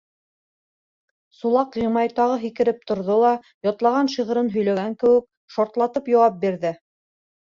Сулаҡ-Ғимай тағы һикереп торҙо ла, ятлаған шиғырын һөйләгән кеүек, шартлатып яуап бирҙе: